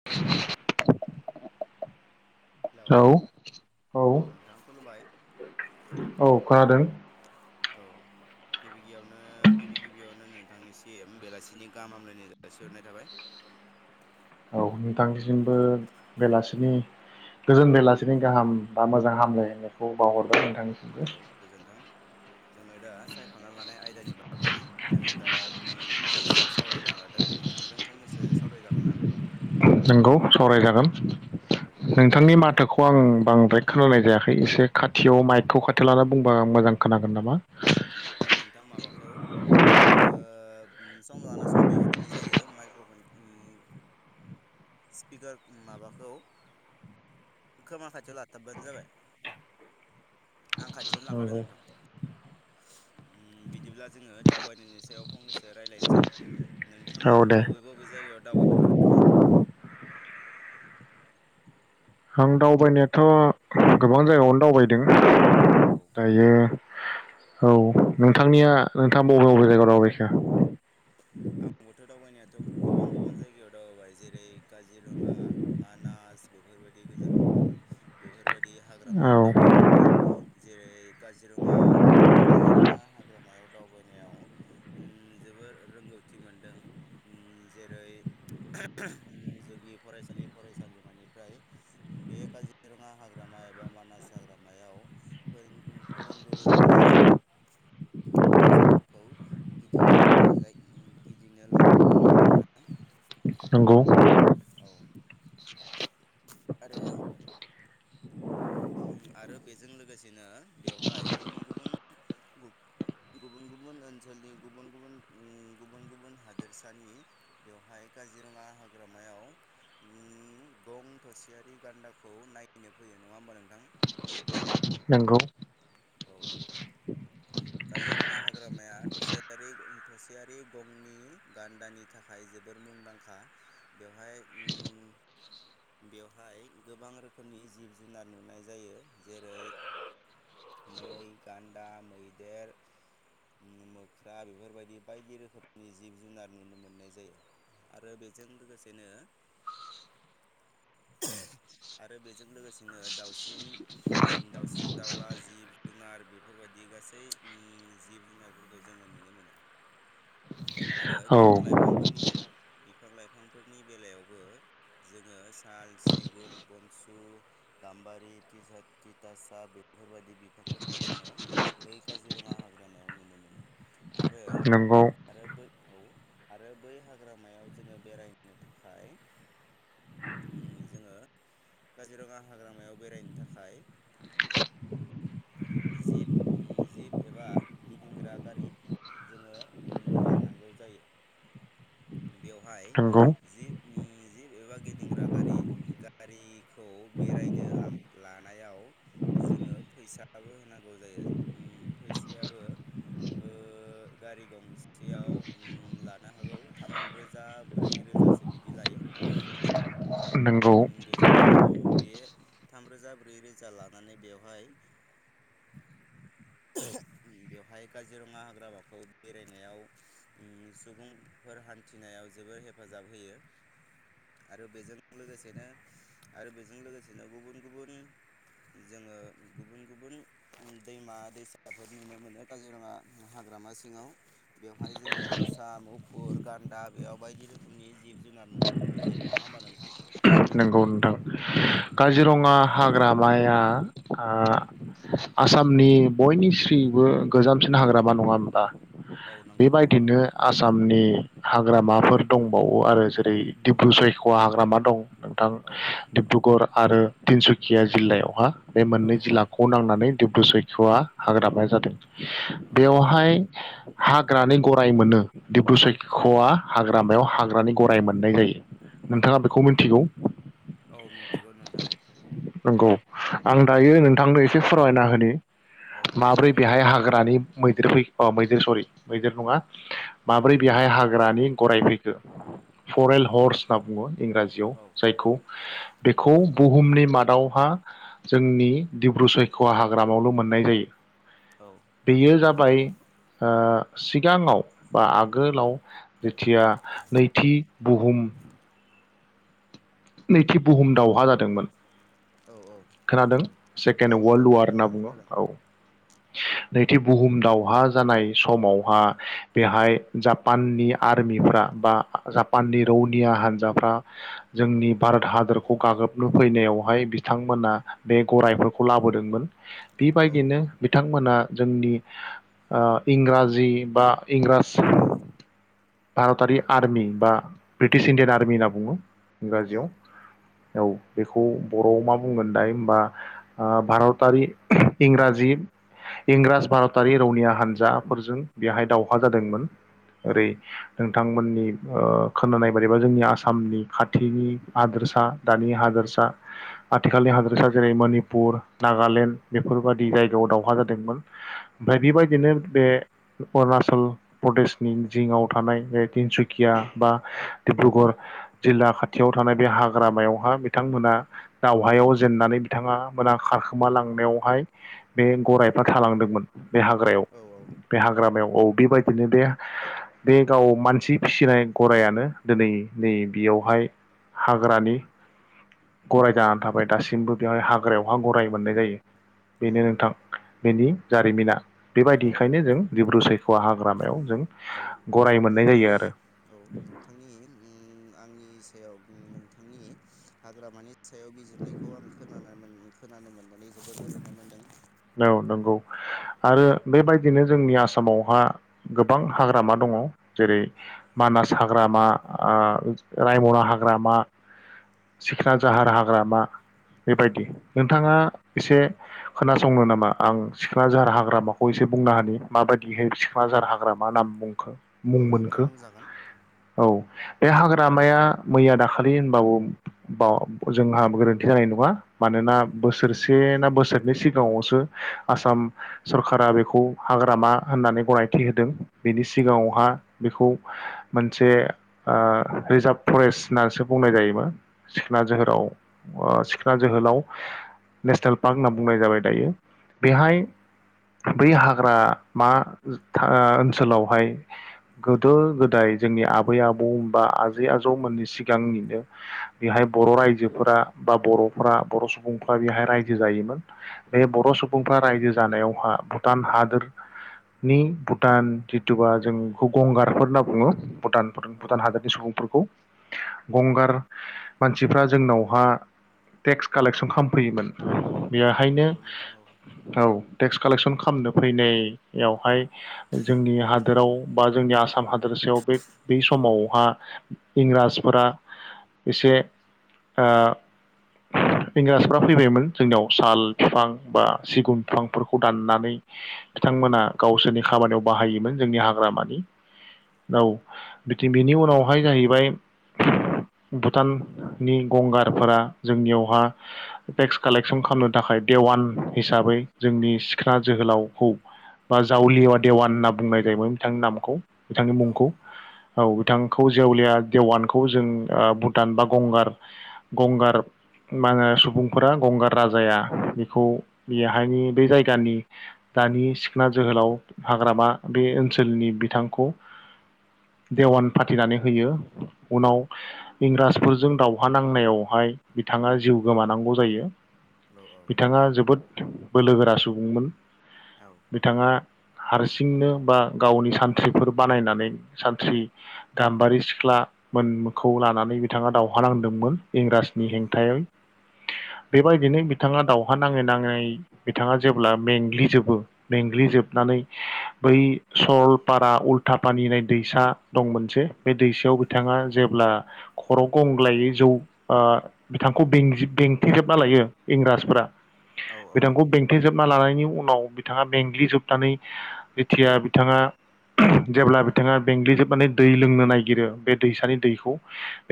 [inaudible] हेल' औ औ नोंथां खुलुमबाय। औ खोनादों। औ गिबि गिबियावनो गिबि गिबियावनो नोंथांनिसिम बेलासिनि गाह हामलायनाय जालासि हरनाय थाबाय। औ नोंथांसिमबो बेलासिनि गोजोन बेलासिनि गाहाम बा मोजां हामलायनायखौ बावहरबाय नोंथांनिसिमबो। औ गोजोन्थों जोङो दा सायख'ना लानाय आयदानि बागै जोङो दा उम फंनैसो सावरायना लादों नोंथांजों फंनैसो सावरायजागोन ना? नोंगौ सावराइ जागोन। औ नोंथांनि माथोखौ आं बांद्राय खोनाय जायाखै एसे खाथियाव माइकखौ खाथियाव लाना बुंबा आं मोजां खोनागोन नामा? औ नोंथां माबाखौ ओ सम लाना सम बेबादिनो जायो माइक्र'फन उम स्पिकार माबाखौ खोमा खाथियाव लाथाबबानो जाबाय आं खाथियावनो लाखादों नंगौ नोंथां। उ बिदिब्ला जोङो दावबायनायनि सायाव फंनैसो रायज्लायनोसै नोंथाङा औ दे बबे बबे बबे जायगायाव दावबायफेरखो नोंथां? आं दावबायनायाथ' गोबां जायगायावनो दावबायदों। औ दायो औ नोंथांनिया नोंथाङा बबे बबे जायगायाव दावबायखो? आंबोथ' दावबायनायाथ' गोबां गोबां जायगायाव दावबायबाय जेरै काजिरङा मा नास बेफोरबायदि गोजाननि बेफोरबायदि हाग्रामायाव औ दावबायहोबाय। जेरै काजिरङा काजिरङा हाग्रामायाव दावबायनायाव उ जोबोर रोंगौथि मोनदों उम जेरै जोंनि फरायसालि फरायसालिमानिफ्राय बे काजिरङा हाग्रामा एबा मानास हाग्रामायाव फोरों फोरोंगुरुफोरा उ फरायसाफोरखौ गिदिंनो लांङो जाय गिदिंनो लाङो नङा होमबा नोंथां नंगौ औ आरो आरो बेजों लोगोसेनो बेवहाय गुबुन गुबुन गुबुन गुबुन ओनसोलनि गुबुन गुबुन उ गुबुन गुबुन हादोरसानि बेवहाय काजिरङा हाग्रामायाव उम गं थसेयारि गान्दाखौ नायनो फैयो नङा होमबा नोंथां? नोंगौ औ काजिरङा हाग्रामाया थसेयारि थसेयारि गंनि गान्दानि थाखाय जोबोर मुंदांखा बेवहाय उम बेवहाय गोबां रोखोमनि जिब जुनार नुनाय जायो जेरै मै, गान्दा, मैदेर उ मोख्रा बेफोरबायदि बायदि रोखोमनि जिब-जुनार नुनो मोननाय जायो। आरो बेजों लोगोसेनो आरो बेजों लोगोसेनो दाउसिन उ दाउसिन-दाउला जिब-जुनार बेफोरबायदि गासै उम जिब-जुनारफोरखौ जोङो नुनो मोनो। आरो औ बिफां-लाइफांफोरनि बिफां-लाइफांफोरनि बेलायावबो जोङो साल, सिगुन, बनसु गाम्बारि थिथा थिथासाफ बेफोरबायदि बिफांफोरखौ जोङो बै काजिरङा हाग्रामायाव नुनो मोनो आरो नंगौ आरो बै औ आरो बै हाग्रामायाव जोङो बेरायनो थाखाय उम जोङो काजिरङा हाग्रामायाव बेरायनो थाखाय जिप उम जिभ एबा गिदिंग्रा गारि जोङो उम लानांगौ जायो। बेवहाय नंगौ जिभ उम जिभ एबा गिदिंग्रा गारि गारि खौ बेरायनो लां लानायाव जोङो फैसाबो होनांगौ जायो उम फैसायाबो ओ गारि गंसेयाव उम लानो हागौ थाम रोजा ब्रै रोजासो बिदि लायो नंगौ उम बे [unintelligible] बे थाम रोजा ब्रै रोजा लानानै बेवहाय बेवहाय काजिरङा हाग्रामाखौ बेरायनायाव उम सुबुंफोर हान्थिनायाव जोबोर हेफाजाब होयो आरो बेजों लोगोसेनो आरो बेजों लोगोसेनो गुबुन-गुबुन जोङो गुबुन-गुबुन दैमा-दैसाफोर नुनो मोनो काजिरङा हाग्रामा सिङाव बेवहाय जोङो मोसा, मुफुर, गान्दा बेयाव बायदि रोखोमनि जिब-जुनार नुनो मोननाय जायो। नङा होमबा नोंथां? नोंगौ नोंथां काजिरङा हाग्रामाया ओ आसामनि बयनिस्रिबो गोजामसिन हाग्रामा नङा होमबा औ नंगौ नोंथां औ बेबायदिनो आसामनि हाग्रामाफोर दंबावो आरो जेरै डिब्रु सयख'वा हाग्रामा दं। थां औ औ डिब्रुगर आरो तिनसुकिया जिल्लायावहा बे औ मोननै औ जिल्ला [unintelligible] नांनानै डिब्रु सैख'वा हाग्रामाया जादों औ नंगौ बेवहाय हाग्रानि गराय मोनो डिब्रु सैख'वा हाग्रामायाव हाग्रानि गराय मोननाय जायो औ नोंथाङा बेखौ मिन्थिगौ औ मिथिगौ नोंथां। नंगौ आं दायो नोंथांनो एसे फोरमायना होनि औ माबोरै फोरमायजागोन बेहाय नोंथां हाग्रानि मैदेर फै अ मैदेर सरि मैदेर नङा माब्रै बेहाय हाग्रानि गराय फैखो? औ फरेल औ हर्स होनना बुङो इंराजियाव औ जायखौ बेखौ बुहुमनि मा दावहा जोंनि दिडब्रु सायखवा हाग्रामायावल' मोननाय जायो। औ बेयो जाबाय ओ सिगाङाव बा आगोलाव जेथिया नैथि बुहुम नैथि बुहुम दावहा जादोंमोन औ औ खोनादों औ सेकेणड नंगौ वर्ल्ड वार खोनादों होनना नोंथां बुङो खोनादों औ नैथि बुहुम दाव हा जानाय समावहा बेहाय जापाननि आर्मिफ्रा बा जापाननि रौनिया हान्जाफ्रा जोंनि भारत हादरखौ गाग्लोबनो फैनायावहाय बिथांमोना बे गरायफोरखौ लाबोदोंमोन औ बेबायदिनो बिथांमोना जोंनि ओ इंराजि बा इंराज भारतारि आर्मि बा ब्रिटिश इण्डियान आर्मि होनना बुङो औ इंराजियाव। औ बेखौ बर'आव मा बुंगोन दाय हबा ओ भारतारि इंराजि इंराज भारतारि रौनिया हानजाफोरजों बेहाय दावहा जादोंमोन औ ओरै नोंथांमोननि ओ खोनानाय बायदिबा जोंनि आसामनि खाथिनि हादोरसा दानि हादोरसा आथिखालनि हादोरसा जेरै मनिपुर नागालेण्ड बेफोरबाददि जायगायाव दावहा जादोंमोन। ओमफाय बेबायदिनो बे अरुणाचल प्रदेशनि जिङाव थानाय बे तिनसुकिया बा डिब्रुगर जिल्ला खाथियाव थानाय बे हाग्रामायावहा बिथांमोना दावहायाव जेननानै बिथाङा मोना खारखोमा लांनायावहाय बे गरायफ्रा थालांदोंमोन बे हाग्रायाव बे हाग्रामायाव औ बेबायदिनो बे बे गाव मानसि फिसिनाय गरायानो दिनै नै बेयावहाय हाग्रानि गराय जानानै थाबाय दासिमबो बेवहाय हाग्रायावहा गराय मोननाय जायो। औ बेनो नोंथां बेनि जारिमिना औ बेबायदिखायनो जों दिब्रु सैख'वा हाग्रामायाव जों औ गराय मोननाय जायो नोंथांनि आरो। औ नोंथांनि ओम आंनि सायाव ओ नोंथांनि हाग्रा मानि सायाव बिजिरनायखौ आं खोनाना खोनानो मोननानै जोबोद गोजोननाय मोन्दों। औ नंगौ आरो बेबायदिनो जोंनि आसामावहा गोबां हाग्रामा दङ जेरै मानास हाग्रामा आ रायमना हाग्रामा सिखना जाहार हाग्रामा बेबायदि नोंथाङा एसे खोनासंनो नामा आं सिखोन जाहार हाग्रामाखौ एसे बुंनो हानि माबायदि हाय सिख्नाझार हाग्रामा नाम मुं औ नोंथां मोनखो बुंजागोन औ बे हाग्रामाया मैया दाखालि होनबाबो बाव जोंहा गोरोन्थि जानाय नङा मानोना बोसोर बे ना बोसोरनि सिगाङावसो आसाम सोरकारा बेखौ हाग्रामा होननानै गनायथि होदों। बेनि औ सिगाङावहा बेखौ मोनसे ओ रिजार्भ फरेस्ट होननानैसो बुंनाय जायोमोन सिखोन जोहोलाव सिखोन जोहोलाव नेसनेल पार्क होनना बुंनाय जाबाय दायो औ बेहाय बै हाग्रा मा ओ ओनसोलावहाय गोदो गोदाय जोंनि आ बै आबौ होनबा आजै आजौमोननि सिगांनिनो बेहाय बर' राय जोफोरा बा बर'फ्रा बर' सुबुंफ्रा बेहाय। रायजो जायोमोन बे बर' सुबुंफ्रा रायजो जानायावहा भुटान हादोर। नि भुटान जिथुबा जों गंगारफोर होनना बुङो भुटानफोर। औ भुटान हादोरनि सुबुंफोरखौ। गंगार मानसिफ्रा जोंनावहा टेक्स कालेकसन खालामफैयोमोन। औ बेहायनो। नंगौ नोंथां औ औ टेक्स कालेकस'न खामनो फैनायावहाय। जोंनि हादोराव बा जोंनि आसाम हादोरसायाव बे बै समावहा। इंराजफोरा एसे ओ। इंराजफ्रा फैबायमोन। जोंनाव साल फिफां बा सिगुन बिफांफोरखौ दाननानै। बिथांमोना गावसोरनि खामानियाव बाहायोमोन जोंनि हाग्रा मानि। औ बिथि बिनि उनावहाय जाहैबाय। भुटाननि गंगारफोरा जोंनियावहा टेक्स। कालेकसन खालामनो थाखाय देवान हिसाबै जोंनि सिख्ला जोहोलावखौ। बा जावलि एबा देवान होनना बुंनाय जायोमोन बिथांनि नामखौ बिथांनि औ मुंखौ। औ बिथांखौ जेवलिया देवानखौ जों ओ भुटान बा गंगार। गंगार मा होनो सुबुंफ्रा। गंगार राजाया बेखौ बेहायनि बै जायगानि। दानि सिखना जोहोलाव हाग्रामा बे ओनसोलनि बिथांखौ। देवान फाथिनानै होयो उनाव। इंराजफोरजों दावहा नांनायावहाय बिथाङा जिउ गोमानांगौ जायो। औ बिथाङा जोबोद बोलो गोरा सुबुंमोन औ बिथाङा। हारसिंनो बा गावनि सानथ्रिफोर बानायनानै सानथ्रि। गाम्बारि सिख्ला। मोनखौ लानानै बिथाङा दावहा नांदोंमोन औ इंराजिनि नंगौ हेंथायै। बेबायदिनो बिथाङा दाावहा नाङै नाङै बिथाङा जेब्ला मेंग्लिजोबो। मेंग्लिजोबनानै बै सरलपारा उल्था पानिनाय होन्नाय दैसा। दं मोनसे बे दैसायाव बिथाङा जेब्ला। खर' गंग्लायै जौ ओ बिथांखौ बें बेंथिजोब। ना लायो इंराजफोरा औ औ बिथांखौ बें। थे जोबना लानायनि उनाव बिथाङा मेंंग्लिजोबनानै जेथिया बिथाङा। जेब्ला बिथाङा मेंग्लि जोबनानै दै लोंनो नागिरो बे दैसानि दैखौ।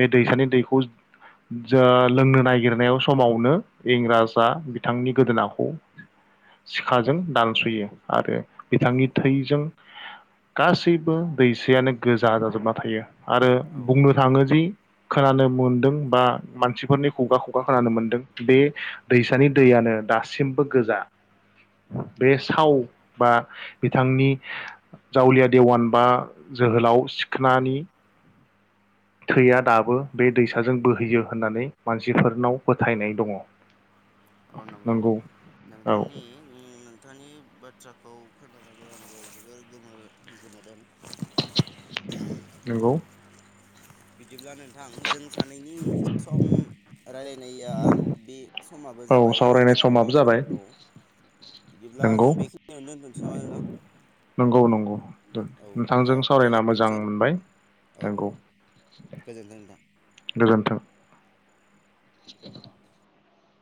बे दैसानि दैखौ जा लोंनो नागिरनायाव समाव। नों इंराजआ बिथांनि गोदोनाखौ। सिखाजों दानस'यो आरो औ बिथांनि थैजों। [inaudible] गासैबो दैसायानो गोजा जाजोबना थायो आरो औ बुंनो थाङो जि। खोनानो मोनदों बा मानसिफोरनि खुगा खुगा खोनानो मोनदों। बे दैसानि दैयानो दासिमबो गोजा। बे साव बा बिथांनि। जावलिया देवान बा जोहोलाव सिखोनानि। थैया दाबो बे दैसाजों बोहैयो होनानै मानसिफोरनाव फोथायनाय दङ। औ नंगौ औ नोंथांनि। नोंथांनि बाथ्राखौ खोनानानै आंबो जोबोर गोमो गोमादों। नोंगौ। बिदिब्ला नोंथां जों सानैनि सम रायलायनाया बे समाबो औ जाबाय जों सावरायनाय सानैनि समाबो समा‌ जाबाय औ बिदिब्ला नंगौ जों बेखिनियावनो दोनथ'निसै नामा नोंथां नंगौ नंगौ औ नोंथांजों उनाव सावरायना मोजां रायज्लायफिनसिगोन मोनबाय औ औ नंगौ दे गोजोन्थों नोंथां गोजोन्थों